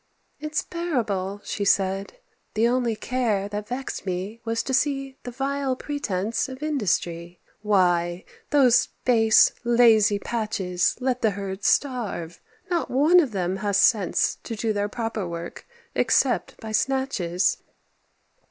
"It's bearable," she said; "the only care That vexed me was to see the vile pretence Of industry. Why, those base, lazy patches Let the herds starve; not one of them has sense To do their proper work, except by snatches."